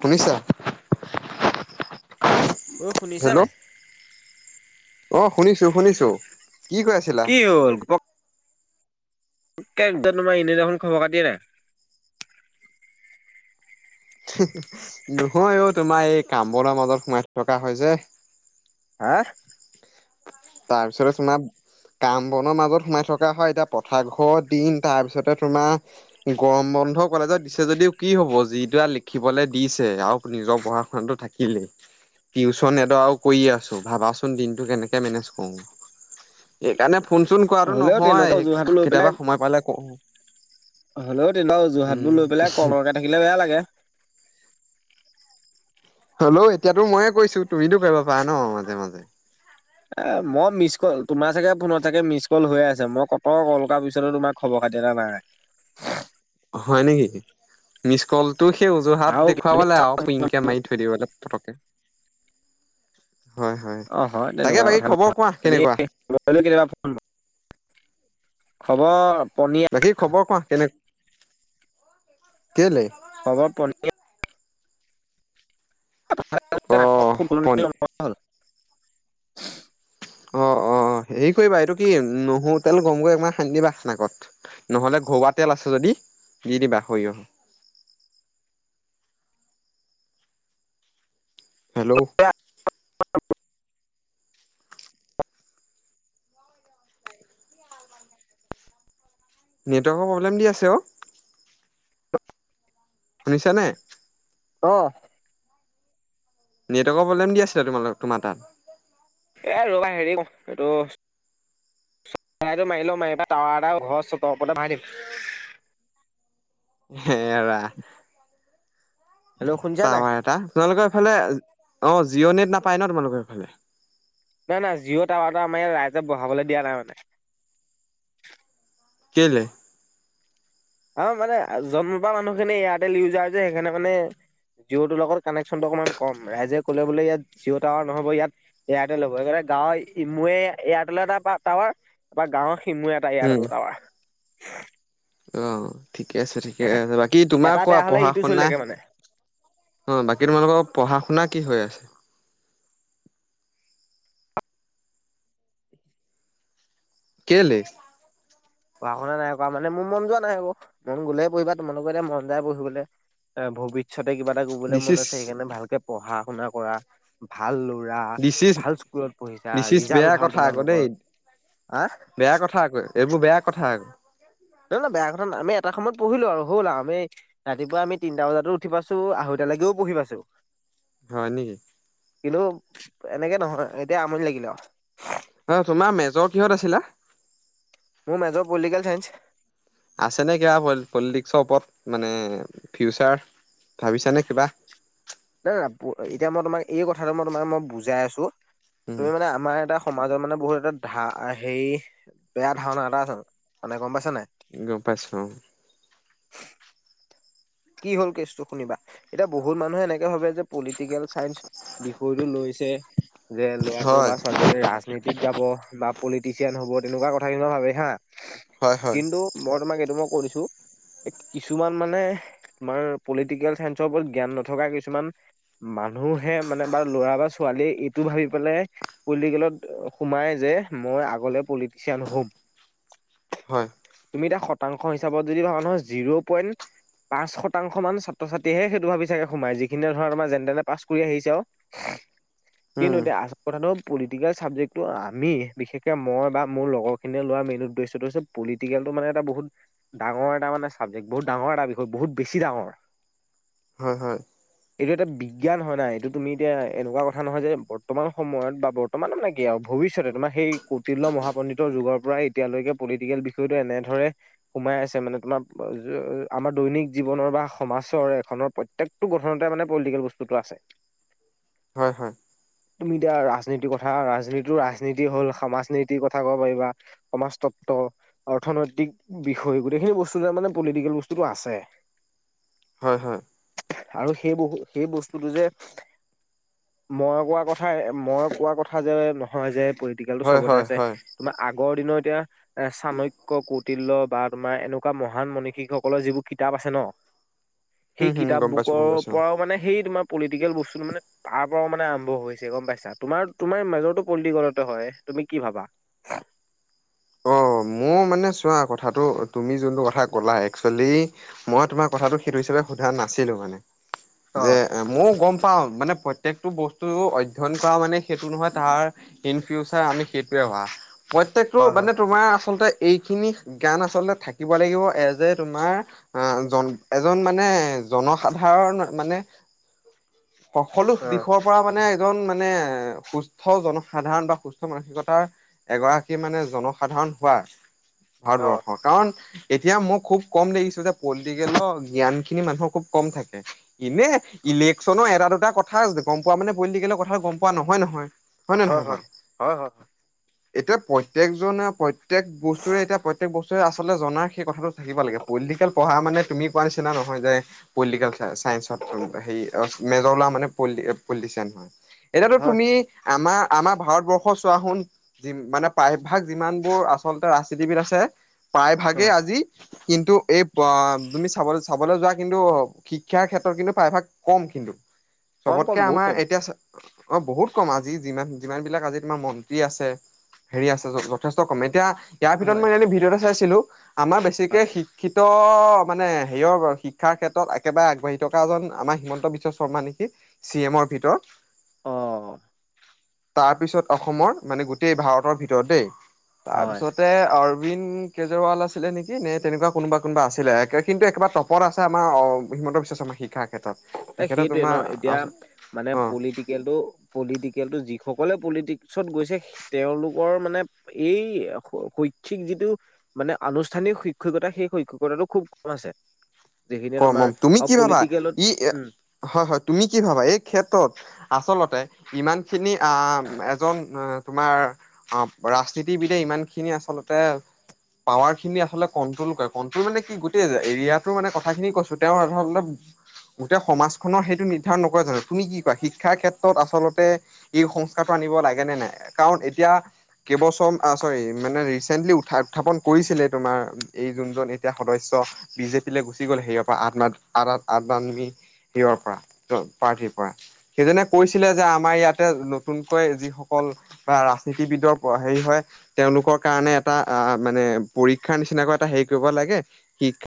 শুনিছা? ঐ শুনিছা নাই? হেল্লৌ'। অঁ শুনিছো শুনিছো, কি কৈ আছিলা? কি হ'ল? ঘপক- কে তোমাৰ এনেই দেখোন খবৰ খাটিয়ে নাই। হিঁ হিঁ নহয় অও তোমাৰ এই কাম বনৰ মাজত সোমাই থকা হয় যে। হাঁ? তাৰ পিছতে তোমা- কাম বনৰ মাজত সোমাই থকা হয় এতিয়া পথাৰ ঘৰ দিন তাৰপিছতে তোমা- গৰম বন্ধ কলেজত দিছে যদিও কি হ'ব, যিটো আৰু লিখিবলৈ দিছে আৰু নিজৰ পঢ়া শুনাটো থাক- কিলেই। টিউচন এডৱাও কৰি আছো, ভাবাচোন দিনটো কেনেকে মেনেজ- ক‌ওঁ, সেকাৰণে ফোন চোন কৱাটো হ'লেও তেনেকুৱা নহয়, অজুহাতো লৈ পেলাই কেতিয়াবা সময় পালে ক‌ওঁ। হ'লেও তেও বাও যোৰহাটবোৰ লৈ পেলাই কলৰকে থাকিলে বেয়া লাগে। হলেও এতিয়াতো ময়ে কৰিছো, তুমিটো কৰিব পাৰা ন মাজে মাজে। এ মই মিছ কল তোমাৰ চাগে ফোনত চাগে মিছ কল হৈয়ে আছে মই কত কল কৰাৰ পিছতো তোমাক খবৰ খাতি এটা নাই। হয় নেকি? মিচ কলটো সেই অজোহাত আৰু তুমি দেখুৱাবলে আও। কুইংকে মাৰি থৈ দিবলে পটকে। হয় হয়, তাকে বাকী খবৰ কোৱা কেনেকুৱা? খবৰ খাতি কেনেকা? খবৰ পনীয়া। বাকি খবৰ কোৱা কেনে, কেলে? খবৰ পনীয়া। অ' পন [unintelligible] অঁ অঁ, হেৰি কৰিবা এইটো কি নহৰো তেল গৰম কৰি অকমান সানি দিবা নাকত। নহ'লে ঘৰোৱা তেল আছে যদি দি দিবা সৰিয়হ। হেল্লৌ'। [unintelligible] নেটৱৰ্কৰ প্ৰব্লেম দি আছে অ। শুনিছ নে? অ নেটৱৰ্কৰ প্ৰবলেম দি আছিল তোমালোক তোমাৰ তাত। এ ৰবা হেৰি অ এইটো মাৰিলও মাৰিবা তাওৱাটা ঘৰ চ'তৰ ওপৰতে বহাই দিম হেৰা হেল্ল' শুনিছা নাই? টাৱাৰ এটা, তোমালোকৰ এইফালে অ জিঅ' নেট নাপায় ন তোমালোকৰ এইফালে। নাই নাই জিঅ' টাৱাৰ এটা আমাৰ ইয়াত ৰাইজে বহাবলৈ দিয়া নাই মানে। কেলে? অ মানে জন্ম পৰা মানুহ খিনি এয়াৰটেল ইউজাৰ যে সেইকাৰনে মানে জিঅ'টোৰ লগত কানেকশ্যনটো অকণমান কম, ৰাইজে ক'লে বোলে ইয়াত জিঅ' টাৱাৰ নহ'ব ইয়াত এয়াৰটেল ল'ব। সেইকাৰণে গাঁৱৰ ইমোৱে এয়াৰটলৰ এটা টাৱাৰ বা গাঁৱৰ সিমোৱে তৈয়াৰ উম। আৰু টাৱা অ ঠিকে আছে ঠিকে আছে বাকী তোমাৰ এটা কোৱা বেয়া হ'লে পঢ়া ইটো চলি শুনা থাকে মানে অ বাকী তোমালোকৰ পঢ়া শুনা কি হৈ আছে কেলে পঢ়া শুনা নাই কৰা মান মোৰ মন যোৱা নাই আকৌ মন গলে পঢ়িবা তোমোকৰ এতিয়া মন যায় পঢ়িবলৈ এ ভৱিষ্যতে কিবা এটা কৰিবলৈ দিছ মন ইজ আছে সেইকাৰণে ভালকে পঢ়া শুনা কৰা ভাল ল'ৰা, দিছ ইজ ভাল স্কুলত পঢ়িছা, দিছ ইজ বেয়া ৰিজাল্ট ভাল কথা আকৌ দেই তোমালোকৰ হ বেয়া কথা আকৌ এইবোৰ বেয়া কথা আকৌ ন ন বেয়া কথা নাই আমি এটা সময়ত পঢ়িলো আৰু হ'ল আৰু আমি ৰাতিপুৱা আমি তিনিটা বজাতো উঠি পাইছো আঢ়ৈতা লৈকেও পঢ়ি পাইছো হয় নেকি কিন্তু এনেকে নহয় এতিয়া আমনি লাগিলে আৰু হয় তোমাৰ মেজৰ কিহত আছিলা মোৰ মেজৰ পলিটিকেল চাইন্স আছেনে কিবা পলিটিক্সৰ ওপৰত মানে ফিউচাৰ ভাবিছানে কিবা নাই নাই এতিয়া মই তোমাক এই কথাটো মই তোমাক মই বুজাই আছো উম তুমি মানে আমাৰ এটা সমাজৰ মানে বহুত এটা ধা হেৰি বেয়া ধাৰণা এটা আছে মানে গম পাইছা নাই গম পাইছো কি হ'ল কেচটো শুনিবা এতিয়া বহুত মানুহে এনেকে ভাবে যে পলিটিকেল চাইন্স বিষয়টো লৈছে যে ল'ৰাটো বা ছোৱালীজনী ৰাজনীতিত যাব বা পলিটিচিয়ান হ'ব তেনেকুৱা কথা কিন্তু ভাবে হা হয় হয় হয় কিন্তু মই তোমাক এইটো মই কৈ দিছোঁ কিছুমান মানে তোমাৰ পলিটিকেল চাইন্সৰ ওপৰত জ্ঞান নথকা কিছুমান মানুহে মানে বা ল'ৰা বা ছোৱালীয়ে এইটো ভাবি পেলাই পলিটিকেলত সোমাই যে মই আগলে পলিটিচিয়ান হম [unintelligible] তুমি এটা শতাংশ হিচাপত যদি ভাবা নহয় জিৰ' পইণ্ট পাঁচ শতংশ মান ছাত্ৰ ছাত্ৰীয়েহে সেইটো ভাবি চাগে সোমাই যিখিনি ধৰা তোমাৰ যেনে তেনে পাছ কৰি আহিছে আৰু [unintelligible] কিন্তু উম এতিয়া আ কথাটো হ'ল পলিটিকেল চাবজেক্টটো আমি বিশেষকৈ মই বা মোৰ লগৰখিনিয়ে লোৱা মেইন উদ্দেশ্যটো হৈছে পলিটিকেলটো মানে এটা বহুত ডাঙৰ এটা মানে চাবজেক্ট বহুত ডাঙৰ এটা বি বহুত বেছি ডাঙৰ। হয় হয়। এইটো এটা বিজ্ঞান হয় নাই। এইটো তুমি এতিয়া এনেকুৱা কথা নহয় যে বৰ্তমান সময়ত বা বৰ বৰ্তমান মানে কি আও ভৱিষ্যতে তোমাৰ সেই কৌটিল্য মহাপণ্ডিতৰ যুগৰ পৰাই এতিয়ালৈকে পলিটিকেল বিষয়টো এনে ধৰে সোমাই আছে মানে তোমাৰ [unintelligible] আমাৰ দৈনিক জীৱনৰ বা সমাছৰ এখনৰ প্ৰত্যেকটো গঠনতে মানে পলিটিকেল বস্তুটো আছে। হয় হয়। তুমি এতিয়া ৰাজনীতিৰ কথা ৰাজনীতিটো ৰাজনীতি হ'ল সমাজ নীতিৰ কথা ক'ব পাৰিবা। সমাজতত্ব, অৰ্থনৈতিক বিষয় গোটেইখিনি বস্তু যে মানে পলিটিকেল বস্তুটো আছ [inaudible] হয় হয়। আৰু সেই বহু সেই বস্তুটো যে মই কোৱা কথা, মই কোৱা কথা যে নহয় যে পলিটিকেলটো হয় চবতে হয় আছে। হয় তোমাৰ আগৰ দিনৰ এতিয়া চাণক্য, কৌটিল্য বা তোমাৰ এনেকুৱা মহান মনিষীকসকলৰ যিবোৰ কিতাপ আছে ন', হুম সেই হুম গম পাইছো কিতাপবোকৰ গম পাইছো পৰাও মানে সেই তোমাৰ পলিটিকেল বস্তুটো মানে তাৰ পৰাও মানে আৰম্ভ হৈছে গম পাইছা। তোমাৰ তোমাৰ মেজৰটো পলটিকলতে হয় তুমি কি ভাবা? [inaudible] অ' মোৰ মানে চোৱা কথাটো তুমি যোনটো কথা ক'লা একচুৱেলি মই তোমাৰ কথাটো সেইটো হিচাপে সোধা নাছিলো মানে অ যে ময়ো গম পাওঁ, মানে প্ৰত্যেকটো বস্তু অধ্যয়ন কৰা মানে সেইটো নহয় তাৰ ইন ফিউচাৰ আমি সেইটোৱে হোৱা, প্ৰত্যেকটো হয় হয় মানে তোমাৰ আচলতে এইখিনি গান আচলতে থাকিব লাগিব এজ এ তোমাৰ আ জন এজন মানে জনসাধাৰণ মানে সকলো অ', দিশত মানে এজন মানে সুস্থ জনসাধাৰণ বা সুস্থ মানসিকতাৰ এগৰাকী মানে জনসাধাৰণ হোৱা অ', ভাৰতবৰ্ষৰ কাৰণ এতিয়া মই খুব কম দেখিছো যে পলটিকেলৰ জ্ঞানখিনি মানুহৰ খুব কম থাকে। ইনেই ইলেকশ্যনৰ এটা দুটা কথা গম পোৱা মানে পলিটিকেলৰ কথা গম পোৱা নহয় নহয়। নে হয় নহয় বাৰু? হয় হয়, হয় হয়। [unintelligible] প্ৰত্যেকজনে প্ৰত্যেক বস্তুৰে এতিয়া প্ৰত্যেক বস্তুৰে আচলতে জনাৰ সেই কথাটো থাকিব লাগে। পলটিকেল পঢ়া মানে তুমি পোৱা নিচিনা নহয় যে পলটিকেল চাইন্সত হেৰি অহ মেজৰ লোৱা মানে পলি পলিটিচিয়ান হয়। এতিয়াতো হয় তুমি আমাৰ আমাৰ ভাৰতবৰ্ষ চোৱা হোন মানে প্ৰায়ভাগ যিমানবোৰ আচলতে ৰাজনীতিবিদ আছে প্ৰায়ভাগেই অ', আজি কিন্তু এই অ' তুমি চাবলৈ চাবলৈ যোৱা কিন্তু শিক্ষাৰ ক্ষেত্ৰত কিন্তু প্ৰায়ভাগ কম কিন্তু। কম কম চবতকে বহুত কম আমাৰ এতিয়া, অ' বহুত কম আজি যিমান যিমান বিলাক আজি তোমাৰ মন্ত্ৰী আছে। হেৰি আছে। যথেষ্ট কম এতিয়া ইয়াৰ হয় ভিতৰত মই এনে ভিডিঅ' এটা চাইছিলো আমাৰ হয় বেছিকে শিক্ষি শিক্ষিত মানে হেৰিয়ৰ শিক্ষাৰ ক্ষেত্ৰত একেবাৰে আগবাঢ়ি থকা জন আমাৰ হিমন্ত বিশ্ব শৰ্মা নেকি? চি এমৰ ভিতৰত? অ'। তাৰপিছত অসমৰ মানে গোটেই ভাৰতৰ ভিতৰত দেই হয় তাৰপিছত, তে অৰবিন্দ কেজৰৱাল আছিলে নেকি নে তেনেকুৱা কোনোবা কোনোবা আছিলে কিন্তু একেবাৰ, তপত আছে আমাৰ হিমন্ত বিশ্ব শৰ্মা শিক্ষাৰ ক্ষেত্ৰত। এ তেখেতে সেইটোৱে ন তোমাৰ আ এতিয়া মানে অ পলিটিক, টিকেলটো পলিটিকেলটো যিসকলে পলিটিক্সত গৈছে, তেওঁলোকৰ মানে এই শৈক্ষিক যিটো। মানে আনুষ্ঠানিক শিক্ষকতা সেই শৈক্ষিকতাটো খুব। আছে যিখিনিয়ে কম তোমাৰ তুমি আৰু কি ভাবা পলিটিকেলত। ই উম হয় হয় তুমি কি ভাবা এই ক্ষেত্ৰত আচলতে। ইমান খিনি আ এজন, তোমাৰ অ ৰাজনীতিবিদে ইমানখিনি আচলতে। পাৱাৰ খিনি আছলতে কন্ট্ৰল কৰে কন্ট্ৰল মানে কি গোটে এৰিয়াটোৰ মানে। কথা খিনি কৈছো তেওঁৰ অধৰ অলপ। গোটেই সমাজখনৰ সেইটো নিৰ্ধাৰণ নকৰে জানো তুমি কি কোৱা শিক্ষাৰ ক্ষেত্ৰত আচলতে। এই সংস্কাৰটো আনিব লাগে নে নাই কাৰণ এতিয়া। কেইবছম চৰি মানে ৰিচেণ্টলি উ‌ত্থা উত্থাপন কৰিছিলে তোমাৰ এই যোনজন এতিয়া সদস্য। বিজেপিলে গুচি গ'ল সেইয়াৰ পৰা আবানমি তুমি, হিৰৰ পৰা পাৰ্থীৰ পৰা। সেইজনে কৈছিলে যে আমাৰ ইয়াতে নতুনকৈ যিসকল। বা ৰাজনীতিবিদৰ হেৰি হয়। তেওঁলোকৰ কাৰণে এটা আহ মানে পৰীক্ষাৰ নিচিনাকৈ এটা হেৰি কৰিব লাগে শিক্ষ,